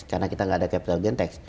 karena kita gak ada capital gain tax